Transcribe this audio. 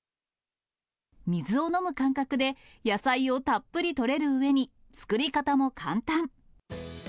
水を飲む感覚で、野菜をたっぷりとれるうえに、作り方も簡単。